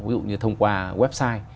ví dụ như thông qua website